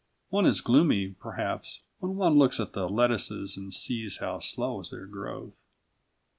One is gloomy, perhaps, when one looks at the lettuces and sees how slow is their growth.